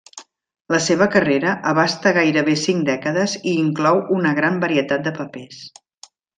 La seva carrera abasta gairebé cinc dècades i inclou una gran varietat de papers.